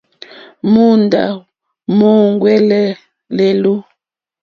Móǒndá múúŋwɛ̀lɛ̀ lɛ̀lú.